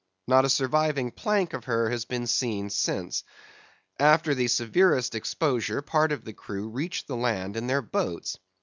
Not a surviving plank of her has been seen since. After the severest exposure, part of the crew reached the land in their boats.